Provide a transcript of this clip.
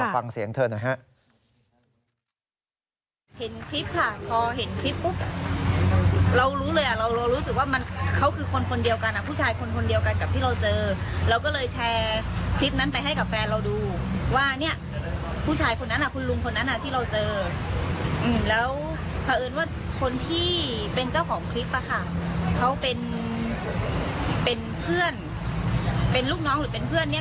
ฟังเสียงเธอหน่อยฮะ